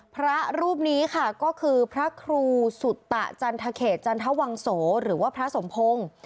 พระรูปนี้ค่ะก็คือพระครูสุตะจันทเขตจันทวังโสหรือว่าพระสมพงศ์